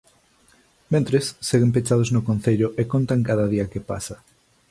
Mentres, seguen pechados no Concello e contan cada día que pasa.